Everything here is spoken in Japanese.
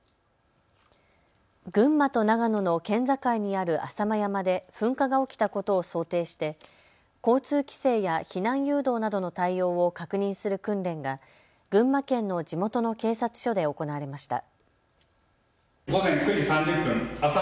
群馬と長野の県境にある浅間山で噴火が起きたことを想定して交通規制や避難誘導などの対応を確認する訓練が群馬県の地元の警察署で行われました。